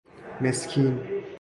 مسکین